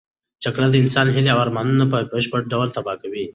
جګړه د انسانانو هیلې او ارمانونه په بشپړ ډول تباه کوي.